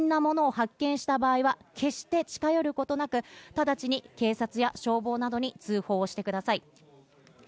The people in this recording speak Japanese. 海上にいる方なども不審なものを発見した場合は決して近寄ることなく、直ちに警察や消防などに通報をしてください。